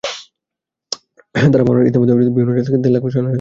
তারা মহড়ার নামে ইতিমধ্যে বিভিন্ন অঞ্চল থেকে দেড় লাখ সেনাসদস্যকে সরিয়ে নিচ্ছে।